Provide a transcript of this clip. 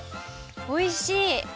おいしい！